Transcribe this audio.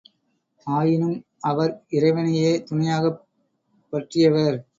ஆயினும் அவர் இறைவனையே துணையாகப்பற்றியவர்.